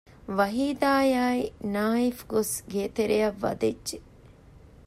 ވަހީދާ އާއި ނާއިފް ގޮސް ގޭތެރެއަށް ވަދެއްޖެ